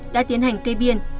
đã tiến hành cây biên